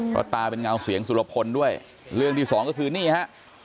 เพราะตาเป็นเงาเสียงสุรพลด้วยเรื่องที่สองก็คือนี่ฮะ